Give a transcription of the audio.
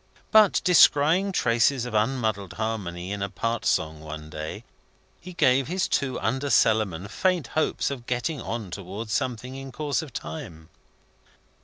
But, descrying traces of unmuddled harmony in a part song one day, he gave his two under cellarmen faint hopes of getting on towards something in course of time.